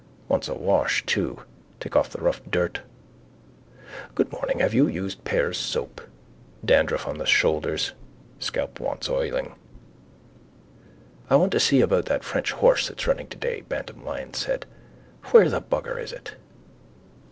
Wants a wash too. Take off the rough dirt. Good morning, have you used Pears' soap? Dandruff on his shoulders. Scalp wants oiling. —I want to see about that French horse that's running today, Bantam Lyons said. Where the bugger is it?